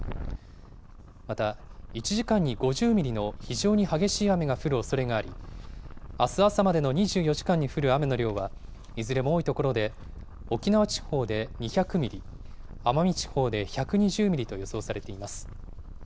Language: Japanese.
また、１時間に５０ミリの非常に激しい雨が降るおそれがあり、あす朝までの２４時間に降る雨の量は、いずれも多い所で沖縄地方で２００ミリ、奄美地方で１２０ミリと予想されています。